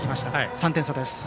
３点差です。